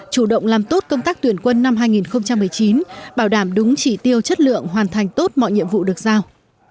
chủ động làm tốt công tác tuyển quân năm hai nghìn một mươi chín bảo đảm đúng chỉ tiêu chất lượng hoàn thành tốt mọi nhiệm vụ được giao